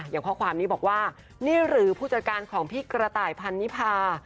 อย่างข้อความนี้บอกว่านี่หรือผู้จัดการของพี่กระต่ายพันนิพา